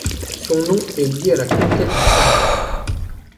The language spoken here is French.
Son nom est lié à la conquête du Cervin.